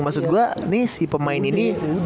maksud gue nih si pemain ini